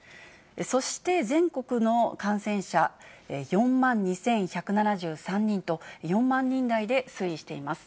そして全国の感染者、４万２１７３人と、４万人台で推移しています。